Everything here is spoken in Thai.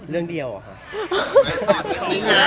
เรื่องเดียวเหรอค่ะ